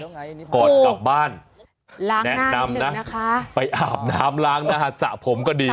ก่อนกลับบ้านแนะนำนะนะคะไปอาบน้ำล้างหน้าสระผมก็ดี